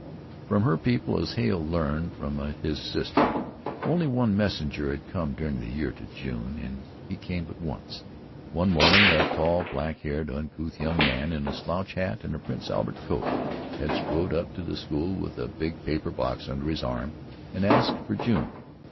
From her people, as Hale learned from his sister, only one messenger had come during the year to June, and he came but once. One morning, a tall, black haired, uncouth young man, in a slouch hat and a Prince Albert coat, had strode up to the school with a big paper box under his arm and asked for June.